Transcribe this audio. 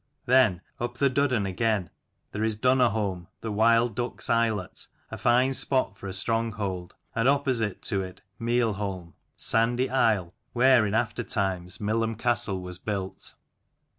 Then, up the Duddon again, there is Dunnerholm the wild ducks' islet, a fine spot for a stronghold ; and opposite to it Mealholm, Sandy isle, where in after 34 times Millom castle was built.